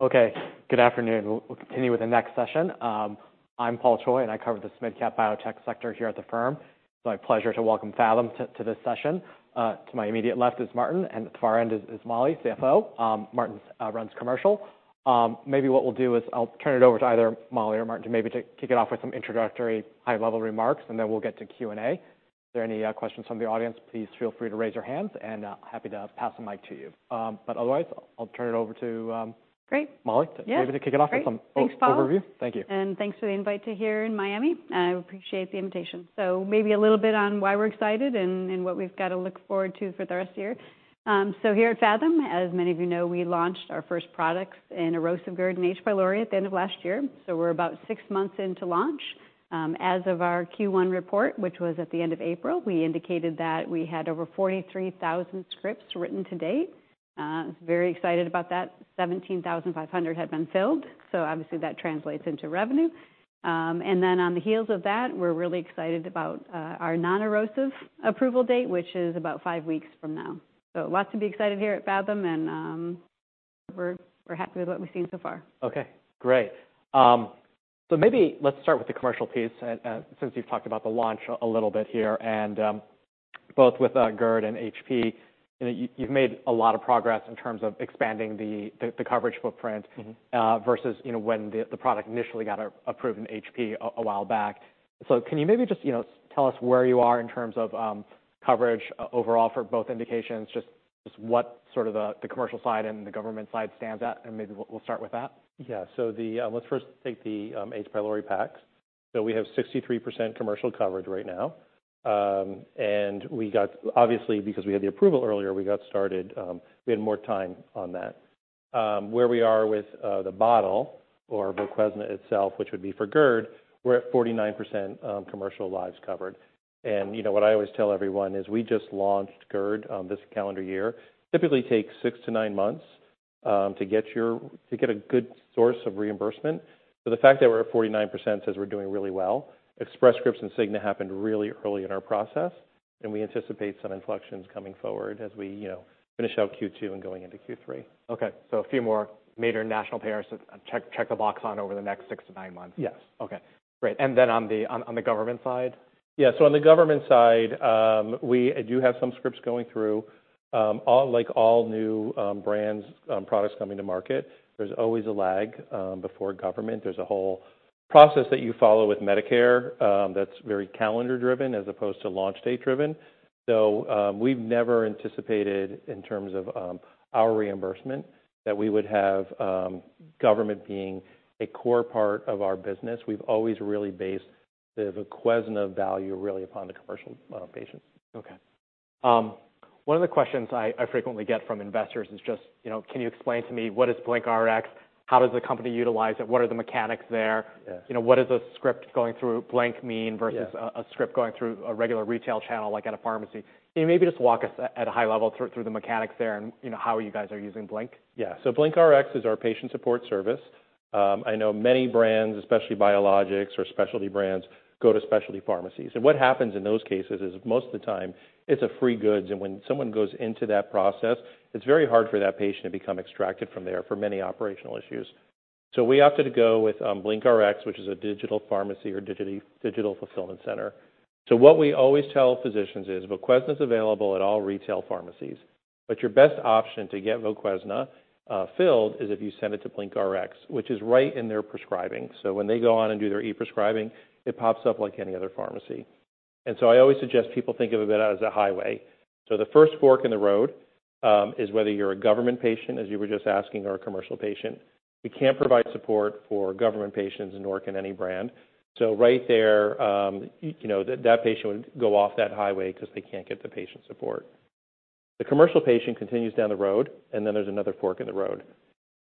Okay. Good afternoon. We'll continue with the next session. I'm Paul Choi, and I cover the SMIDCap biotech sector here at the firm. So my pleasure to welcome Phathom to this session. To my immediate left is Martin, and to our end is Molly, CFO. Martin runs commercial. Maybe what we'll do is I'll turn it over to either Molly or Martin to maybe kick it off with some introductory high-level remarks, and then we'll get to Q&A. If there are any questions from the audience, please feel free to raise your hands, and happy to pass the mic to you. But otherwise, I'll turn it over to, Great. Molly. Yeah. Maybe to kick it off with some overview. Thanks, Paul. Thank you. Thanks for the invite to be here in Miami. I appreciate the invitation. So maybe a little bit on why we're excited and what we've got to look forward to for the rest of the year. So here at Phathom, as many of you know, we launched our first products in Erosive GERD H. pylori at the end of last year. So we're about six months into launch. As of our Q1 report, which was at the end of April, we indicated that we had over 43,000 scripts written to date. I was very excited about that. 17,500 had been filled. So obviously that translates into revenue. And then on the heels of that, we're really excited about our non-erosive approval date, which is about five weeks from now. So lots to be excited here at Phathom, and we're happy with what we've seen so far. Okay. Great. So maybe let's start with the commercial piece, since you've talked about the launch a little bit here. Both with GERD and HP, you know, you've made a lot of progress in terms of expanding the coverage footprint. Mm-hmm. versus, you know, when the product initially got approved in H. pylori a while back. So can you maybe just, you know, tell us where you are in terms of coverage overall for both indications? Just what sort of the commercial side and the government side stands at, and maybe we'll start with that. Yeah. So, let's first take the H. pylori packs. So we have 63% commercial coverage right now. And we got, obviously, because we had the approval earlier, we got started, we had more time on that. Where we are with the bottle or the Voquezna itself, which would be for GERD, we're at 49% commercial lives covered. And, you know, what I always tell everyone is we just launched GERD this calendar year. Typically takes 6-9 months to get a good source of reimbursement. So the fact that we're at 49% says we're doing really well. Express Scripts and Cigna happened really early in our process, and we anticipate some inflections coming forward as we, you know, finish out Q2 and going into Q3. Okay. So a few more major national payers to check, check the box on over the next 6-9 months. Yes. Okay. Great. And then on the government side? Yeah. So on the government side, we do have some scripts going through, all, like all new brands, products coming to market. There's always a lag before government. There's a whole process that you follow with Medicare, that's very calendar-driven as opposed to launch date-driven. So, we've never anticipated in terms of our reimbursement that we would have government being a core part of our business. We've always really based the Voquezna value really upon the commercial patients. Okay. One of the questions I, I frequently get from investors is just, you know, can you explain to me what is BlinkRx? How does the company utilize it? What are the mechanics there? Yeah. You know, what does a script going through Blink mean versus a script going through a regular retail channel like at a pharmacy? Can you maybe just walk us at a high level through the mechanics there and, you know, how you guys are using Blink? Yeah. So BlinkRx is our patient support service. I know many brands, especially biologics or specialty brands, go to specialty pharmacies. And what happens in those cases is most of the time it's free goods. And when someone goes into that process, it's very hard for that patient to become extracted from there for many operational issues. So we opted to go with BlinkRx, which is a digital pharmacy, a digital fulfillment center. So what we always tell physicians is Voquezna's available at all retail pharmacies, but your best option to get Voquezna filled is if you send it to BlinkRx, which is right in their prescribing. So when they go on and do their e-prescribing, it pops up like any other pharmacy. And so I always suggest people think of it a bit as a highway. So the first fork in the road is whether you're a government patient, as you were just asking, or a commercial patient. We can't provide support for government patients, nor can any brand. So right there, you know, that, that patient would go off that highway 'cause they can't get the patient support. The commercial patient continues down the road, and then there's another fork in the road.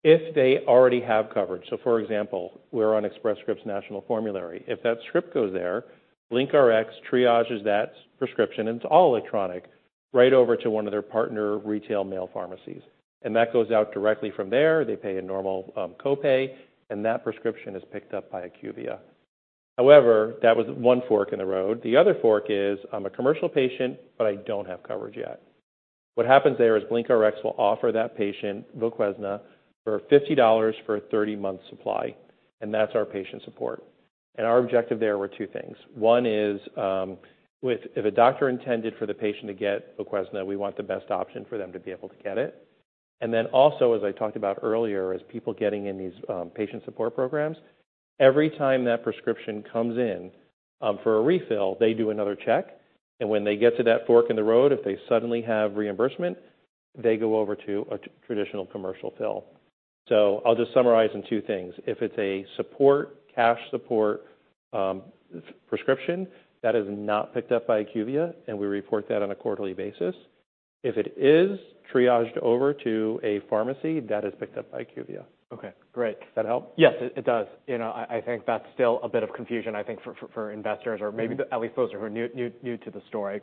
If they already have coverage, so for example, we're on Express Scripts National Formulary, if that script goes there, BlinkRx triages that prescription, and it's all electronic, right over to one of their partner retail mail pharmacies. And that goes out directly from there. They pay a normal copay, and that prescription is picked up by IQVIA. However, that was one fork in the road. The other fork is, I'm a commercial patient, but I don't have coverage yet. What happens there is BlinkRx will offer that patient Voquezna for $50 for a 30-month supply, and that's our patient support. Our objective there were two things. One is, with, if a doctor intended for the patient to get Voquezna, we want the best option for them to be able to get it. Then also, as I talked about earlier, as people getting in these patient support programs, every time that prescription comes in, for a refill, they do another check. When they get to that fork in the road, if they suddenly have reimbursement, they go over to a traditional commercial fill. So I'll just summarize in two things. If it's a support, cash support, prescription, that is not picked up by IQVIA, and we report that on a quarterly basis. If it is triaged over to a pharmacy, that is picked up by IQVIA. Okay. Great. Does that help? Yes, it does. You know, I think that's still a bit of confusion, I think, for investors or maybe at least those who are new to the story.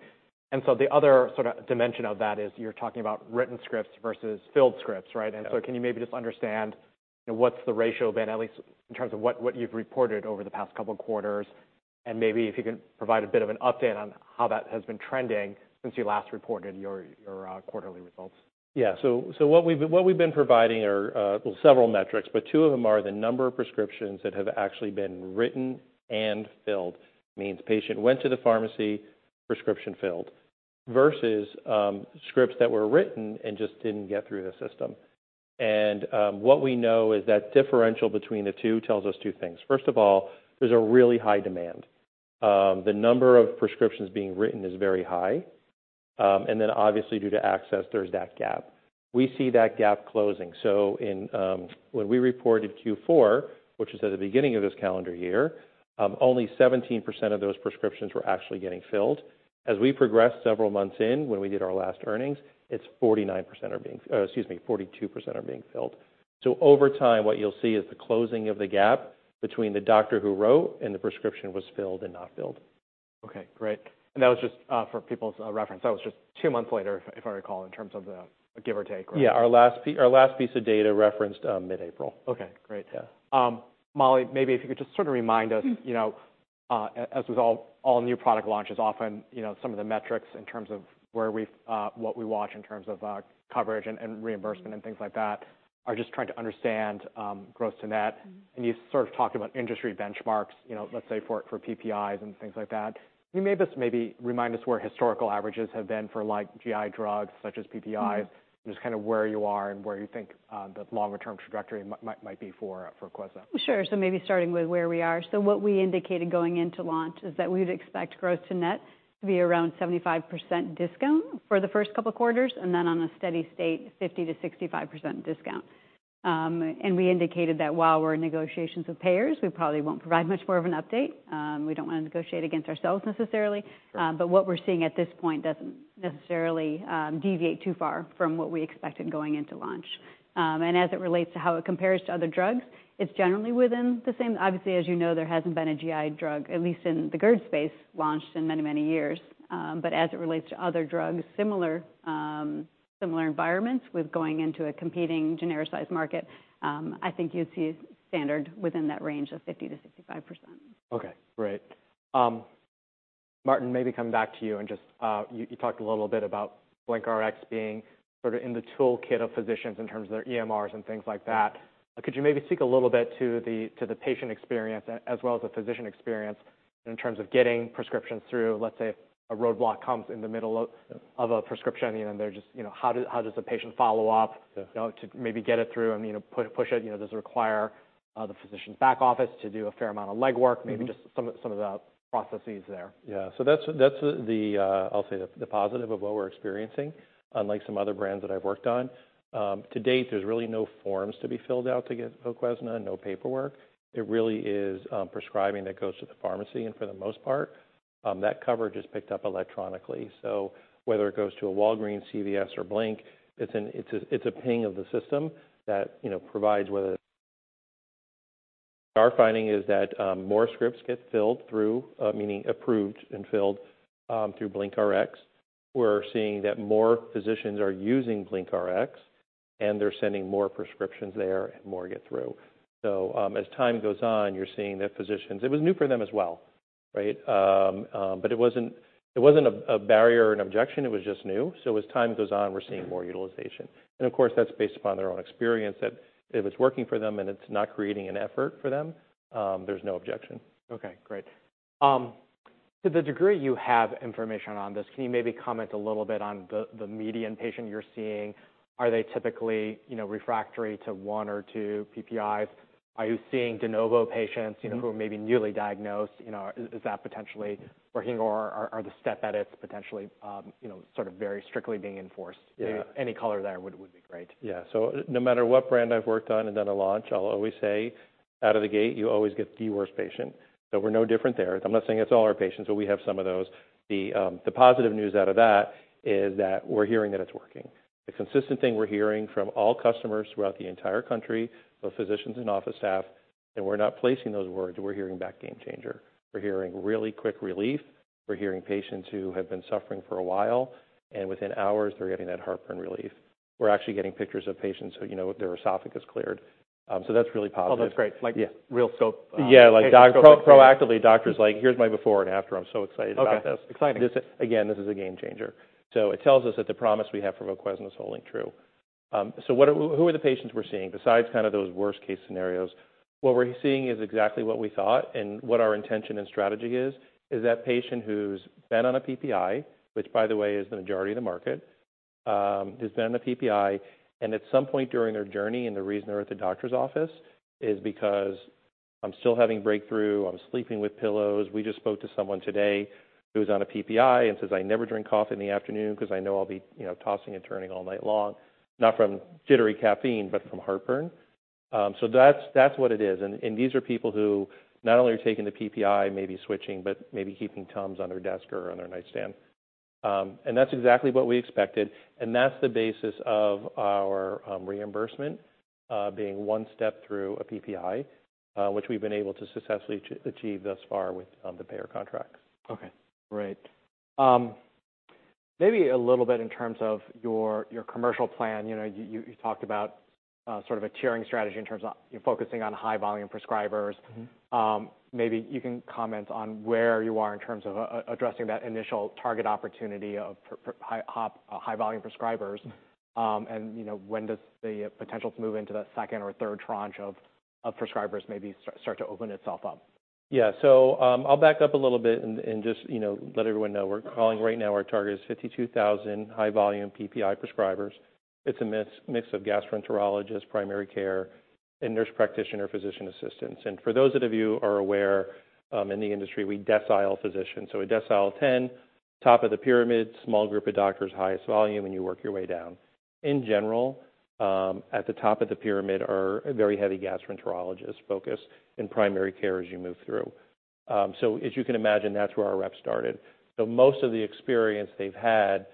And so the other sort of dimension of that is you're talking about written scripts versus filled scripts, right? Yeah. So can you maybe just understand, you know, what's the ratio been, at least in terms of what you've reported over the past couple of quarters? Maybe if you can provide a bit of an update on how that has been trending since you last reported your quarterly results. Yeah. So what we've been providing are, well, several metrics, but two of them are the number of prescriptions that have actually been written and filled, means patient went to the pharmacy, prescription filled, versus scripts that were written and just didn't get through the system. What we know is that differential between the two tells us two things. First of all, there's a really high demand. The number of prescriptions being written is very high. Then obviously due to access, there's that gap. We see that gap closing. So, when we reported Q4, which is at the beginning of this calendar year, only 17% of those prescriptions were actually getting filled. As we progressed several months in, when we did our last earnings, it's 49%, excuse me, 42%, are being filled. Over time, what you'll see is the closing of the gap between the doctor who wrote and the prescription was filled and not filled. Okay. Great. And that was just for people's reference. That was just two months later, if, if I recall, in terms of the give or take, right? Yeah. Our last piece of data referenced mid-April. Okay. Great. Yeah. Molly, maybe if you could just sort of remind us, you know, as with all new product launches, often, you know, some of the metrics in terms of where we, what we watch in terms of coverage and reimbursement and things like that are just trying to understand gross to net. And you sort of talked about industry benchmarks, you know, let's say for PPIs and things like that. Can you maybe just remind us where historical averages have been for, like, GI drugs such as PPIs? Mm-hmm. Just kind of where you are and where you think the longer-term trajectory might be for Voquezna? Sure. So maybe starting with where we are. So what we indicated going into launch is that we would expect gross to net to be around 75% discount for the first couple of quarters, and then on a steady state, 50%-65% discount. And we indicated that while we're in negotiations with payers, we probably won't provide much more of an update. We don't wanna negotiate against ourselves necessarily. Sure. But what we're seeing at this point doesn't necessarily deviate too far from what we expected going into launch. And as it relates to how it compares to other drugs, it's generally within the same, obviously, as you know, there hasn't been a GI drug, at least in the GERD space, launched in many, many years. But as it relates to other drugs, similar, similar environments with going into a competing genericized market, I think you'd see standard within that range of 50%-65%. Okay. Great. Martin, maybe coming back to you and just you talked a little bit about BlinkRx being sort of in the toolkit of physicians in terms of their EMRs and things like that. Could you maybe speak a little bit to the patient experience as well as the physician experience in terms of getting prescriptions through, let's say, a roadblock comes in the middle of a prescription, you know, and they're just, you know, how does the patient follow up? Yeah. You know, to maybe get it through and, you know, push, push it? You know, does it require, the physician's back office to do a fair amount of legwork? Mm-hmm. Maybe just some of the processes there? Yeah. So that's the positive of what we're experiencing, unlike some other brands that I've worked on to date. There's really no forms to be filled out to get Voquezna, no paperwork. It really is prescribing that goes to the pharmacy. And for the most part, that coverage is picked up electronically. So whether it goes to a Walgreens, CVS, or Blink, it's a ping of the system that, you know, provides whether our finding is that more scripts get filled through, meaning approved and filled, through BlinkRx. We're seeing that more physicians are using BlinkRx, and they're sending more prescriptions there and more get through. So as time goes on, you're seeing that physicians, it was new for them as well, right? But it wasn't a barrier or an objection. It was just new. As time goes on, we're seeing more utilization. Of course, that's based upon their own experience that if it's working for them and it's not creating an effort for them, there's no objection. Okay. Great. To the degree you have information on this, can you maybe comment a little bit on the, the median patient you're seeing? Are they typically, you know, refractory to one or two PPIs? Are you seeing de novo patients, you know, who are maybe newly diagnosed? You know, is that potentially working? Or are, are the step edits potentially, you know, sort of very strictly being enforced? Yeah. Maybe any color there would be great. Yeah. So no matter what brand I've worked on and done a launch, I'll always say out of the gate, you always get the worst patient. So we're no different there. I'm not saying it's all our patients, but we have some of those. The positive news out of that is that we're hearing that it's working. The consistent thing we're hearing from all customers throughout the entire country, both physicians and office staff, and we're not placing those words. We're hearing back game changer. We're hearing really quick relief. We're hearing patients who have been suffering for a while, and within hours, they're getting that heartburn relief. We're actually getting pictures of patients who, you know, their esophagus cleared. So that's really positive. Oh, that's great. Like. Yeah. Real soap. Yeah. Like doc pro, proactively, doctor's like, "Here's my before and after. I'm so excited about this. Okay. Exciting. This is, again, this is a game changer. So it tells us that the promise we have for Voquezna is holding true. So what are who are the patients we're seeing besides kind of those worst-case scenarios? What we're seeing is exactly what we thought, and what our intention and strategy is, is that patient who's been on a PPI, which by the way is the majority of the market, has been on a PPI, and at some point during their journey and the reason they're at the doctor's office is because, "I'm still having breakthrough. I'm sleeping with pillows." We just spoke to someone today who's on a PPI and says, "I never drink coffee in the afternoon 'cause I know I'll be, you know, tossing and turning all night long, not from jittery caffeine, but from heartburn." So that's, that's what it is. And these are people who not only are taking the PPI, maybe switching, but maybe keeping Tums on their desk or on their nightstand. That's exactly what we expected. That's the basis of our reimbursement, being one step through a PPI, which we've been able to successfully achieve thus far with the payer contracts. Okay. Great. Maybe a little bit in terms of your, your commercial plan. You know, you, you, you talked about, sort of a tiering strategy in terms of you're focusing on high-volume prescribers. Mm-hmm. Maybe you can comment on where you are in terms of addressing that initial target opportunity of high-volume prescribers? Mm-hmm. You know, when does the potential to move into that second or third tranche of prescribers maybe start to open itself up? Yeah. So, I'll back up a little bit and just, you know, let everyone know we're calling right now our target is 52,000 high-volume PPI prescribers. It's a mix of gastroenterologists, primary care, and nurse practitioner physician assistants. And for those of you who are aware, in the industry, we decile physicians. So a decile 10, top of the pyramid, small group of doctors, highest volume, and you work your way down. In general, at the top of the pyramid are very heavy gastroenterologists focused in primary care as you move through. So as you can imagine, that's where our rep started. So most of the experience they've had,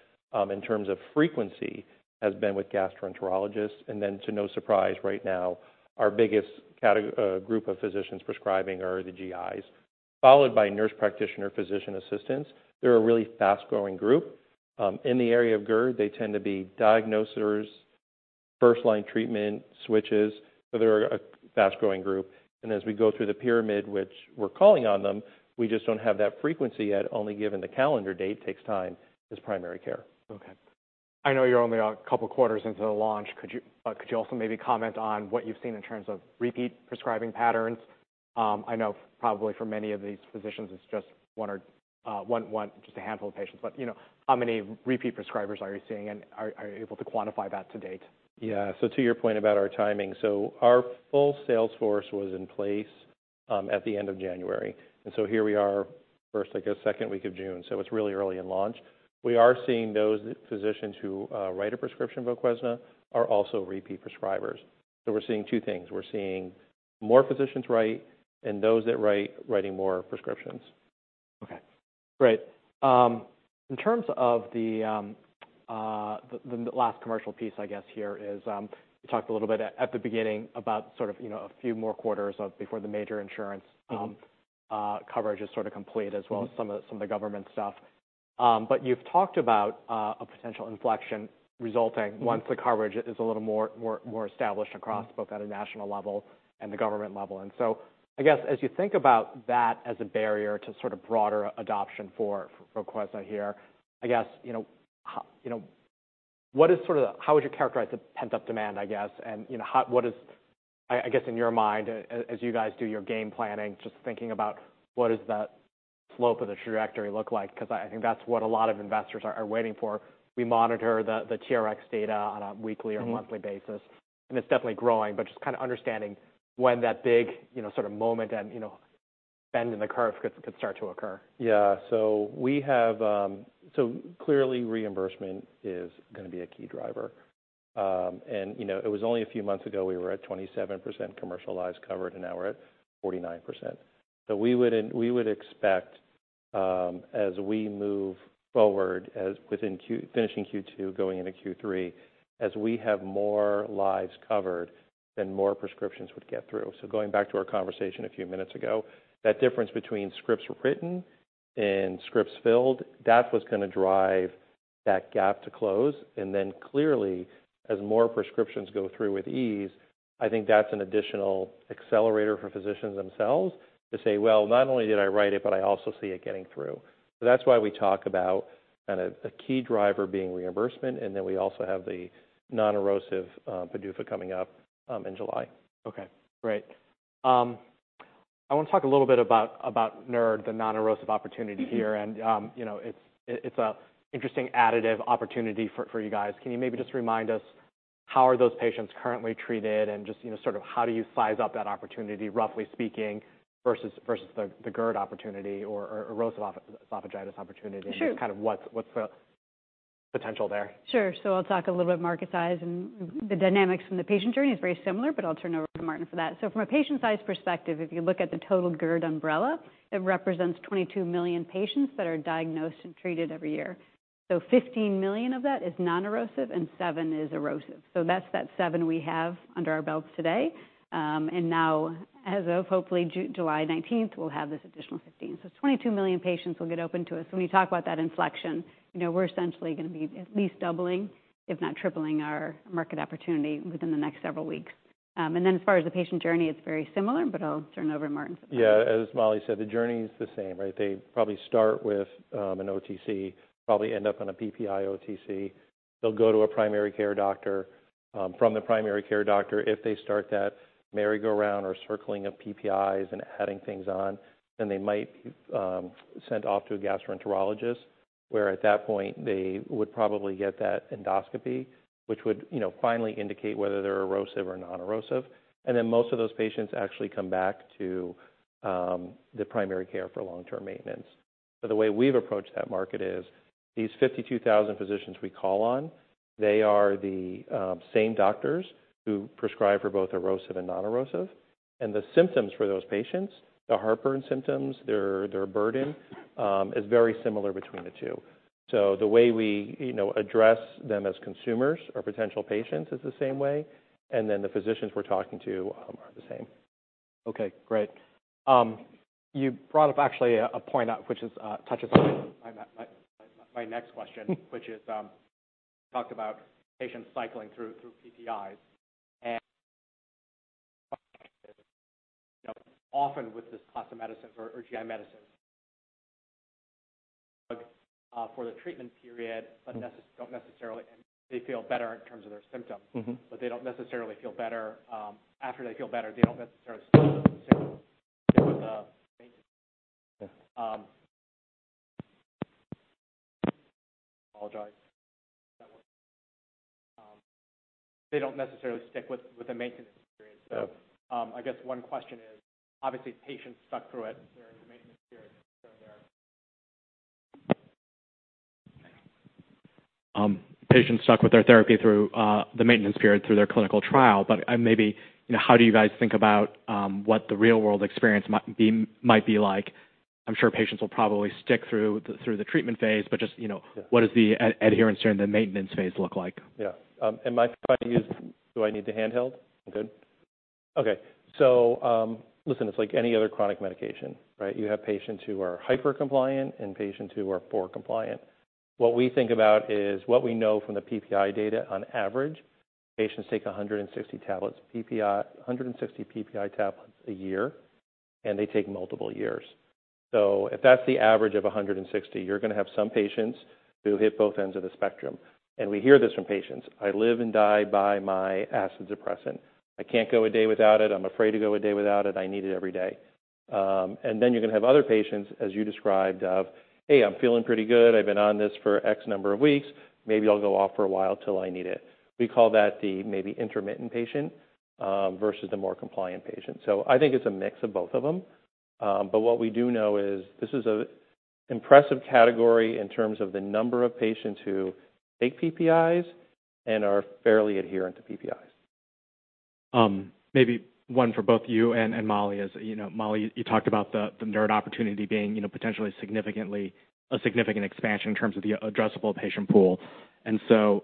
in terms of frequency has been with gastroenterologists. And then to no surprise, right now, our biggest category group of physicians prescribing are the GIs, followed by nurse practitioner physician assistants. They're a really fast-growing group. In the area of GERD, they tend to be diagnosers, first-line treatment switches. So they're a fast-growing group. And as we go through the pyramid, which we're calling on them, we just don't have that frequency yet, only given the calendar date, takes time as primary care. Okay. I know you're only a couple quarters into the launch. Could you also maybe comment on what you've seen in terms of repeat prescribing patterns? I know probably for many of these physicians, it's just one or just a handful of patients. But you know, how many repeat prescribers are you seeing? And are you able to quantify that to date? Yeah. So to your point about our timing, so our full sales force was in place at the end of January. And so here we are, first, I guess, second week of June. So it's really early in launch. We are seeing those physicians who write a prescription Voquezna are also repeat prescribers. So we're seeing two things. We're seeing more physicians write and those that write, writing more prescriptions. Okay. Great. In terms of the last commercial piece, I guess, you talked a little bit at the beginning about sort of, you know, a few more quarters of before the major insurance coverage is sort of complete as well as some of the government stuff. But you've talked about a potential inflection resulting once the coverage is a little more established across both at a national level and the government level. And so I guess as you think about that as a barrier to sort of broader adoption for Voquezna here, I guess, you know, you know, what is sort of the how would you characterize the pent-up demand, I guess? You know, what is, I guess in your mind, as you guys do your game planning, just thinking about what does that slope of the trajectory look like? 'Cause I think that's what a lot of investors are waiting for. We monitor the TRx data on a weekly or monthly basis. Mm-hmm. It's definitely growing, but just kind of understanding when that big, you know, sort of moment and, you know, bend in the curve could start to occur. Yeah. So we have, so clearly reimbursement is gonna be a key driver. And, you know, it was only a few months ago we were at 27% commercial lives covered, and now we're at 49%. So we wouldn't, we would expect, as we move forward, as within Q finishing Q2, going into Q3, as we have more lives covered, then more prescriptions would get through. So going back to our conversation a few minutes ago, that difference between scripts written and scripts filled, that's what's gonna drive that gap to close. And then clearly, as more prescriptions go through with ease, I think that's an additional accelerator for physicians themselves to say, "Well, not only did I write it, but I also see it getting through." So that's why we talk about kind of a key driver being reimbursement. And then we also have the non-erosive PDUFA coming up in July. Okay. Great. I wanna talk a little bit about NERD, the non-erosive opportunity here. And, you know, it's a interesting additive opportunity for you guys. Can you maybe just remind us how are those patients currently treated and just, you know, sort of how do you size up that opportunity, roughly speaking, versus the GERD opportunity or erosive esophagitis opportunity? Sure. Just kind of what's the potential there? Sure. So I'll talk a little bit market size and the dynamics from the patient journey is very similar, but I'll turn over to Martin for that. So from a patient-size perspective, if you look at the total GERD umbrella, it represents 22 million patients that are diagnosed and treated every year. So 15 million of that is non-erosive and 7 is erosive. So that's that 7 we have under our belts today. And now, as of hopefully July 19th, we'll have this additional 15. So 22 million patients will get open to us. So when you talk about that inflection, you know, we're essentially gonna be at least doubling, if not tripling, our market opportunity within the next several weeks. And then as far as the patient journey, it's very similar, but I'll turn over to Martin for the question. Yeah. As Molly said, the journey's the same, right? They probably start with an OTC, probably end up on a PPI OTC. They'll go to a primary care doctor, from the primary care doctor. If they start that merry-go-round or circling of PPIs and adding things on, then they might be sent off to a gastroenterologist where at that point they would probably get that endoscopy, which would, you know, finally indicate whether they're erosive or non-erosive. And then most of those patients actually come back to the primary care for long-term maintenance. So the way we've approached that market is these 52,000 physicians we call on, they are the same doctors who prescribe for both erosive and non-erosive. And the symptoms for those patients, the heartburn symptoms, their burden, is very similar between the two. So the way we, you know, address them as consumers or potential patients is the same way. And then the physicians we're talking to are the same. Okay. Great. You brought up actually a point that touches on my next question, which is talked about patients cycling through PPIs. And you know, often with this class of medicines or GI medicines, for the treatment period, but necessarily don't and they feel better in terms of their symptoms. Mm-hmm. But they don't necessarily feel better. After they feel better, they don't necessarily stick with the maintenance. Yeah. Apologize. They don't necessarily stick with the maintenance period. So, I guess one question is, obviously, patients stuck through it during the maintenance period here and there. Okay. Patients stuck with their therapy through the maintenance period through their clinical trial. But maybe, you know, how do you guys think about what the real-world experience might be, might be like? I'm sure patients will probably stick through the treatment phase, but just, you know, what does the adherence during the maintenance phase look like? Yeah. Am I trying to use—do I need the handheld? I'm good. Okay. So, listen, it's like any other chronic medication, right? You have patients who are hypercompliant and patients who are poor compliant. What we think about is what we know from the PPI data. On average, patients take 160 tablets, PPI, 160 PPI tablets a year, and they take multiple years. So if that's the average of 160, you're gonna have some patients who hit both ends of the spectrum. And we hear this from patients. "I live and die by my acid suppressant. I can't go a day without it. I'm afraid to go a day without it. I need it every day." And then you're gonna have other patients, as you described, of, "Hey, I'm feeling pretty good. I've been on this for X number of weeks. Maybe I'll go off for a while till I need it." We call that the maybe intermittent patient, versus the more compliant patient. So I think it's a mix of both of them. But what we do know is this is an impressive category in terms of the number of patients who take PPIs and are fairly adherent to PPIs. Maybe one for both you and Molly is, you know, Molly, you talked about the NERD opportunity being, you know, potentially a significant expansion in terms of the addressable patient pool. And so,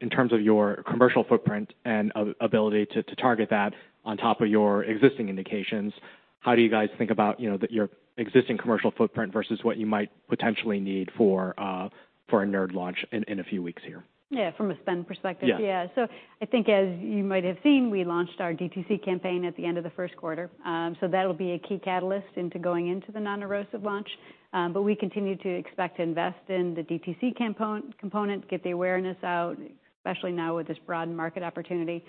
in terms of your commercial footprint and ability to target that on top of your existing indications, how do you guys think about, you know, your existing commercial footprint versus what you might potentially need for a NERD launch in a few weeks here? Yeah. From a spend perspective. Yeah. Yeah. So I think as you might have seen, we launched our DTC campaign at the end of the first quarter. So that'll be a key catalyst into going into the non-erosive launch. But we continue to expect to invest in the DTC component, component, get the awareness out, especially now with this broad market opportunity.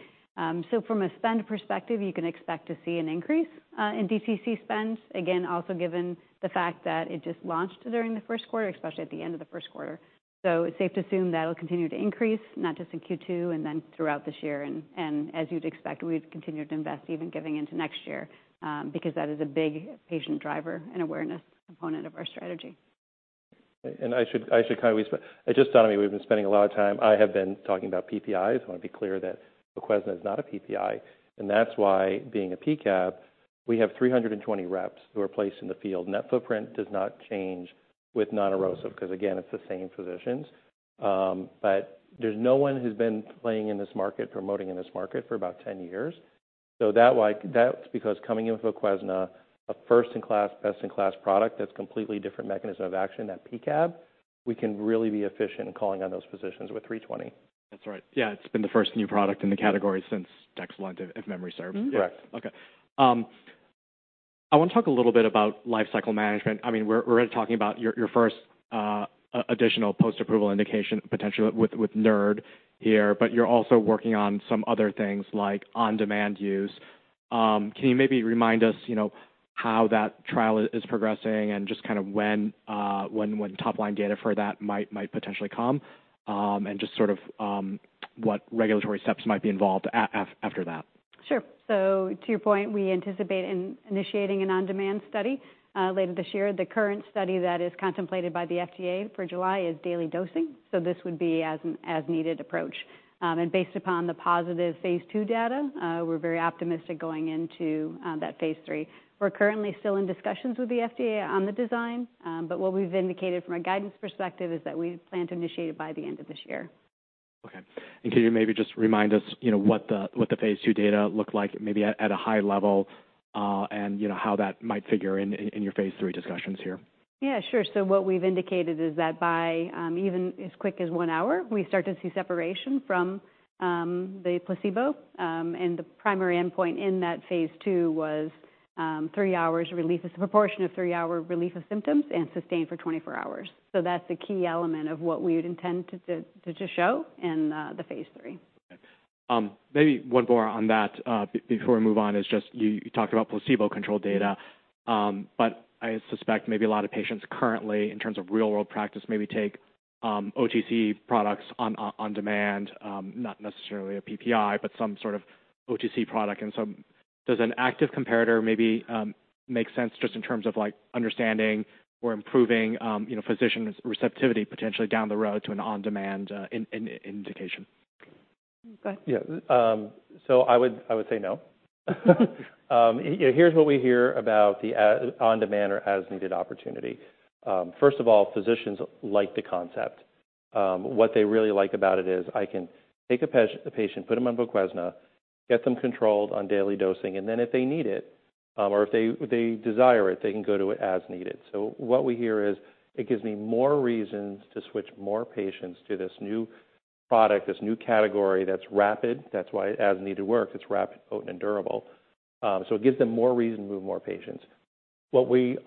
So from a spend perspective, you can expect to see an increase in DTC spend, again, also given the fact that it just launched during the first quarter, especially at the end of the first quarter. So it's safe to assume that'll continue to increase, not just in Q2 and then throughout this year. And, and as you'd expect, we'd continue to invest even going into next year, because that is a big patient driver and awareness component of our strategy. And I should, I should kind of respect. I just thought, I mean, we've been spending a lot of time. I have been talking about PPIs. I wanna be clear that Voquezna is not a PPI. And that's why being a P-CAB, we have 320 reps who are placed in the field. Net footprint does not change with non-erosive 'cause, again, it's the same physicians. But there's no one who's been playing in this market, promoting in this market for about 10 years. So that why that's because coming in with Voquezna, a first-in-class, best-in-class product that's completely different mechanism of action than P-CAB, we can really be efficient in calling on those physicians with 320. That's right. Yeah. It's been the first new product in the category since. Excellent, if, if memory serves. Correct. Okay. I wanna talk a little bit about lifecycle management. I mean, we're already talking about your first additional post-approval indication potentially with NERD here, but you're also working on some other things like on-demand use. Can you maybe remind us, you know, how that trial is progressing and just kind of when top-line data for that might potentially come, and just sort of what regulatory steps might be involved after that? Sure. So to your point, we anticipate in initiating an on-demand study later this year. The current study that is contemplated by the FDA for July is daily dosing. So this would be as an as-needed approach. And based upon the positive phase II data, we're very optimistic going into that phase III. We're currently still in discussions with the FDA on the design. But what we've indicated from a guidance perspective is that we plan to initiate it by the end of this year. Okay. And can you maybe just remind us, you know, what the phase II data looked like maybe at a high level, and, you know, how that might figure in your phase III discussions here? Yeah. Sure. So what we've indicated is that by even as quick as 1 hour, we start to see separation from the placebo, and the primary endpoint in that phase II was 3 hours relief, a proportion of 3-hour relief of symptoms and sustained for 24 hours. So that's the key element of what we would intend to just show in the phase III. Okay. Maybe one more on that, before we move on is just you talked about placebo-controlled data. But I suspect maybe a lot of patients currently, in terms of real-world practice, maybe take OTC products on demand, not necessarily a PPI, but some sort of OTC product. And so does an active comparator maybe make sense just in terms of, like, understanding or improving, you know, physician receptivity potentially down the road to an on-demand indication? Go ahead. Yeah. So I would say no. You know, here's what we hear about the on-demand or as-needed opportunity. First of all, physicians like the concept. What they really like about it is I can take a patient, put them on Voquezna, get them controlled on daily dosing, and then if they need it, or if they desire it, they can go to it as needed. So what we hear is it gives me more reasons to switch more patients to this new product, this new category that's rapid. That's why as-needed works. It's rapid, potent, and durable. So it gives them more reason to move more patients. What we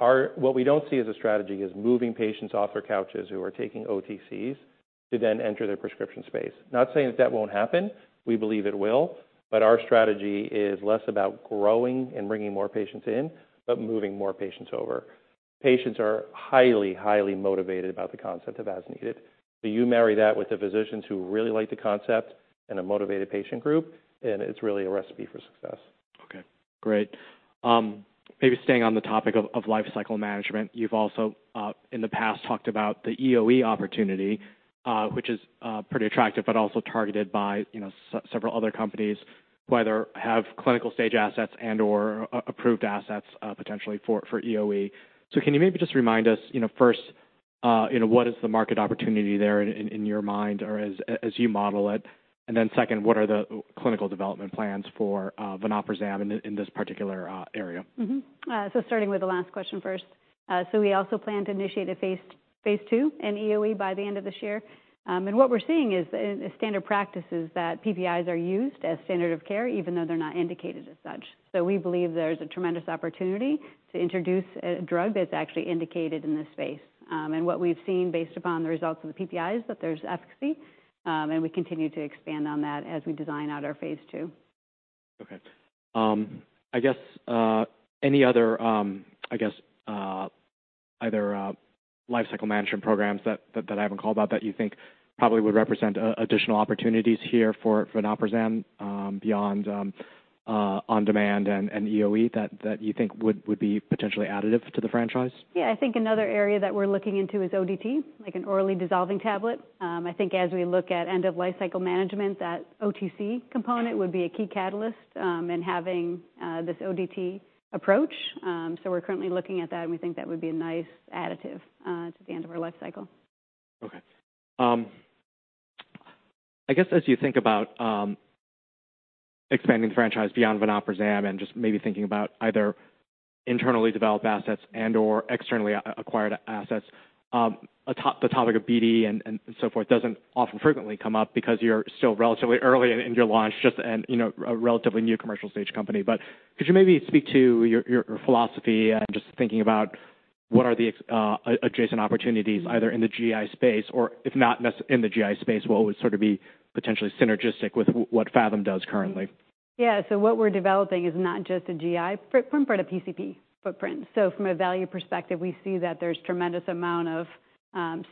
don't see as a strategy is moving patients off their couches who are taking OTCs to then enter their prescription space. Not saying that that won't happen. We believe it will. Our strategy is less about growing and bringing more patients in, but moving more patients over. Patients are highly, highly motivated about the concept of as-needed. You marry that with the physicians who really like the concept and a motivated patient group, and it's really a recipe for success. Okay. Great. Maybe staying on the topic of lifecycle management, you've also, in the past, talked about the EOE opportunity, which is pretty attractive but also targeted by, you know, several other companies, whether have clinical stage assets and/or approved assets, potentially for EOE. So can you maybe just remind us, you know, first, you know, what is the market opportunity there in your mind or as you model it? And then second, what are the clinical development plans for vonoprazan in this particular area? Mm-hmm. So starting with the last question first, we also plan to initiate a phase II in EOE by the end of this year. What we're seeing is that in standard practice PPIs are used as standard of care, even though they're not indicated as such. So we believe there's a tremendous opportunity to introduce a drug that's actually indicated in this space. What we've seen based upon the results of the PPI is that there's efficacy. We continue to expand on that as we design out our phase II. Okay. I guess any other, I guess either lifecycle management programs that I haven't called about that you think probably would represent additional opportunities here for vonoprazan, beyond on-demand and EOE that you think would be potentially additive to the franchise? Yeah. I think another area that we're looking into is ODT, like an orally disintegrating tablet. I think as we look at end-of-lifecycle management, that OTC component would be a key catalyst in having this ODT approach. So we're currently looking at that, and we think that would be a nice additive to the end of our lifecycle. Okay. I guess as you think about expanding the franchise beyond vonoprazan and just maybe thinking about either internally developed assets and/or externally acquired assets, atop the topic of BD and so forth doesn't often frequently come up because you're still relatively early in your launch, just and, you know, a relatively new commercial stage company. But could you maybe speak to your philosophy and just thinking about what are the adjacent opportunities either in the GI space or, if not necessarily in the GI space, what would sort of be potentially synergistic with what Phathom does currently? Yeah. So what we're developing is not just a GI footprint but a PCP footprint. So from a value perspective, we see that there's a tremendous amount of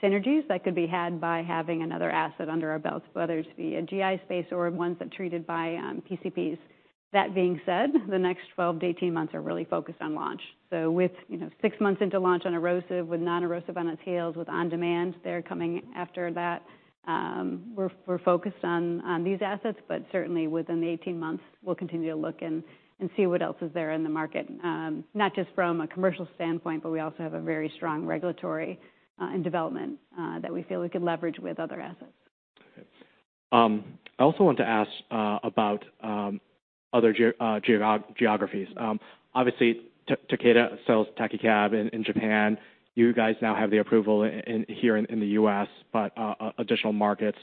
synergies that could be had by having another asset under our belts, whether it's the GI space or ones that are treated by PCPs. That being said, the next 12-18 months are really focused on launch. So with, you know, 6 months into launch on erosive with non-erosive on its heels with on-demand, they're coming after that. We're focused on these assets, but certainly within the 18 months, we'll continue to look and see what else is there in the market, not just from a commercial standpoint, but we also have a very strong regulatory and development that we feel we could leverage with other assets. Okay. I also want to ask about other geographies. Obviously, Takeda sells Takecab in Japan. You guys now have the approval in the US, but additional markets,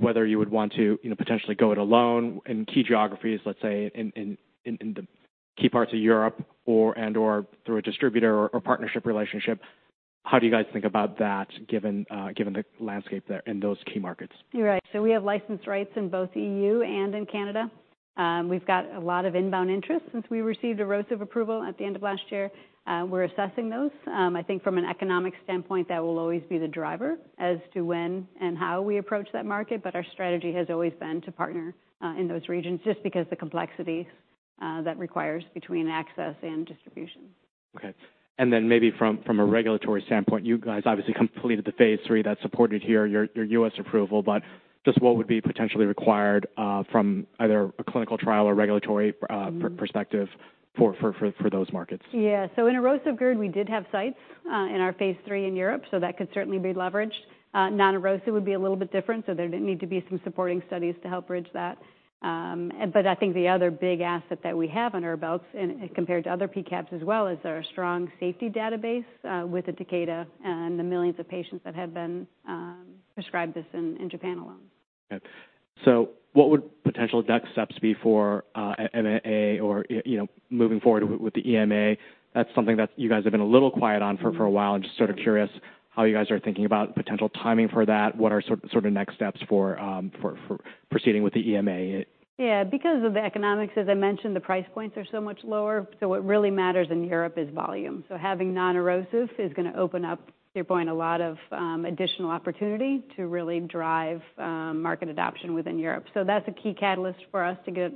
whether you would want to, you know, potentially go it alone in key geographies, let's say, in the key parts of Europe or and/or through a distributor or partnership relationship. How do you guys think about that given the landscape there in those key markets? You're right. So we have license rights in both EU and in Canada. We've got a lot of inbound interest since we received erosive approval at the end of last year. We're assessing those. I think from an economic standpoint, that will always be the driver as to when and how we approach that market. But our strategy has always been to partner in those regions just because of the complexities that requires between access and distribution. Okay. And then maybe from a regulatory standpoint, you guys obviously completed the phase III that's supported here, your U.S. approval, but just what would be potentially required, from either a clinical trial or regulatory perspective for those markets? Yeah. So in Erosive GERD, we did have sites in our phase III in Europe, so that could certainly be leveraged. Non-erosive would be a little bit different. So there didn't need to be some supporting studies to help bridge that. But I think the other big asset that we have on our belts and compared to other P-CABs as well is our strong safety database, with the Takecab and the millions of patients that have been prescribed this in Japan alone. Okay. So what would potential next steps be for MAA or, you know, moving forward with the EMA? That's something that you guys have been a little quiet on for a while. I'm just sort of curious how you guys are thinking about potential timing for that. What are sort of next steps for proceeding with the EMA? Yeah. Because of the economics, as I mentioned, the price points are so much lower. So what really matters in Europe is volume. So having non-erosive is gonna open up, to your point, a lot of additional opportunity to really drive market adoption within Europe. So that's a key catalyst for us to get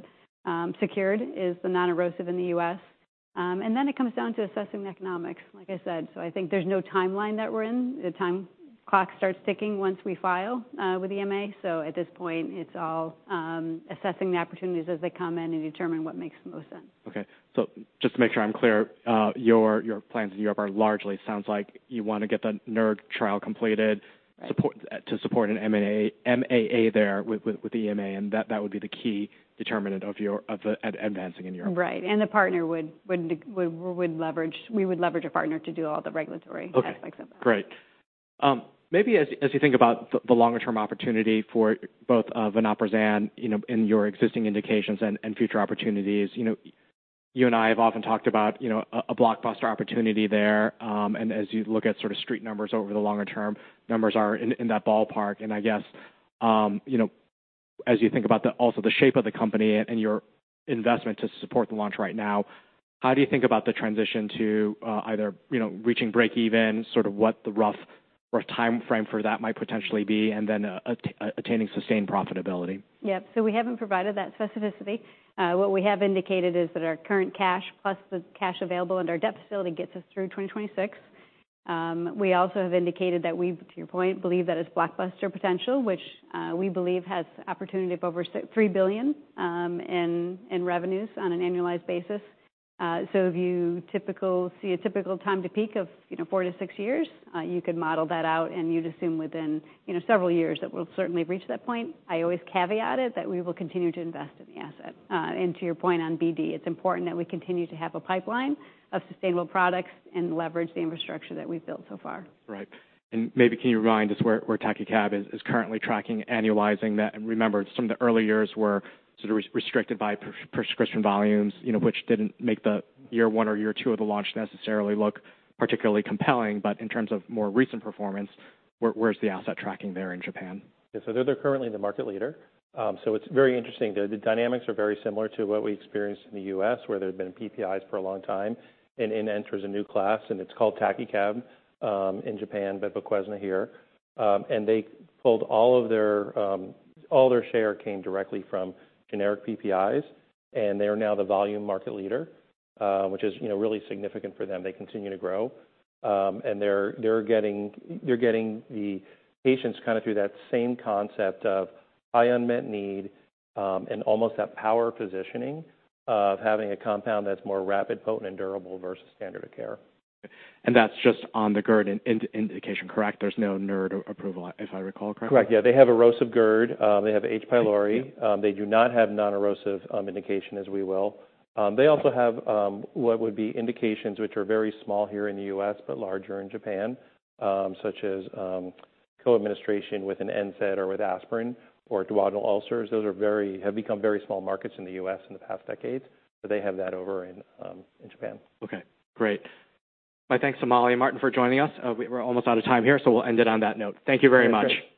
secured is the non-erosive in the U.S. and then it comes down to assessing the economics, like I said. So I think there's no timeline that we're in. The time clock starts ticking once we file with EMA. So at this point, it's all assessing the opportunities as they come in and determine what makes the most sense. Okay. So just to make sure I'm clear, your plans in Europe are largely it sounds like you wanna get the NERD trial completed. Right. Support to support an MAA there with EMA. That would be the key determinant of the advancing in Europe. Right. And we would leverage a partner to do all the regulatory aspects of that. Okay. Great. Maybe as you think about the longer-term opportunity for both vonoprazan, you know, in your existing indications and future opportunities, you know, you and I have often talked about, you know, a blockbuster opportunity there. And as you look at sort of street numbers over the longer-term, numbers are in that ballpark. And I guess, you know, as you think about also the shape of the company and your investment to support the launch right now, how do you think about the transition to either, you know, reaching break-even, sort of what the rough timeframe for that might potentially be, and then attaining sustained profitability? Yep. So we haven't provided that specificity. What we have indicated is that our current cash plus the cash available under our debt facility gets us through 2026. We also have indicated that we, to your point, believe that it's blockbuster potential, which, we believe has opportunity of over $3 billion in revenues on an annualized basis. So if you typically see a typical time to peak of, you know, 4-6 years, you could model that out, and you'd assume within, you know, several years that we'll certainly reach that point. I always caveat it that we will continue to invest in the asset. And to your point on BD, it's important that we continue to have a pipeline of sustainable products and leverage the infrastructure that we've built so far. Right. And maybe can you remind us where Takecab is currently tracking annualizing that? And remember, some of the early years were sort of restricted by prescription volumes, you know, which didn't make the year one or year two of the launch necessarily look particularly compelling. But in terms of more recent performance, where's the asset tracking there in Japan? Yeah. So they're currently the market leader. It's very interesting. The dynamics are very similar to what we experienced in the U.S. where there had been PPIs for a long time. And in enters a new class, and it's called Takecab in Japan, but Voquezna here. And all of their share came directly from generic PPIs, and they are now the volume market leader, which is, you know, really significant for them. They continue to grow. And they're getting the patients kind of through that same concept of high unmet need, and almost that power positioning of having a compound that's more rapid, potent, and durable versus standard of care. Okay. And that's just on the GERD indication, correct? There's no NERD approval, if I recall correctly? Correct. Yeah. They have erosive GERD. They have H. pylori. Okay. They do not have non-erosive indication as we will. They also have what would be indications which are very small here in the U.S. but larger in Japan, such as co-administration with an NSAID or with aspirin or duodenal ulcers. Those have become very small markets in the U.S. in the past decades. So they have that over in Japan. Okay. Great. My thanks, Molly and Martin, for joining us. We're almost out of time here, so we'll end it on that note. Thank you very much.